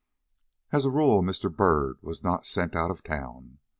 As a rule, Mr. Byrd was not sent out of town.